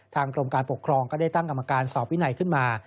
กรมการปกครองก็ได้ตั้งกรรมการสอบวินัยขึ้นมา